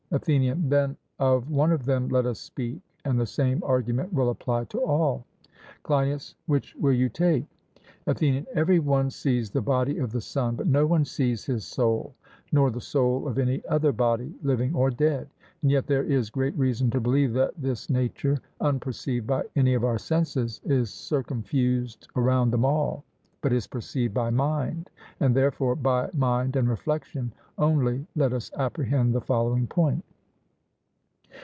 ATHENIAN: Then of one of them let us speak, and the same argument will apply to all. CLEINIAS: Which will you take? ATHENIAN: Every one sees the body of the sun, but no one sees his soul, nor the soul of any other body living or dead; and yet there is great reason to believe that this nature, unperceived by any of our senses, is circumfused around them all, but is perceived by mind; and therefore by mind and reflection only let us apprehend the following point.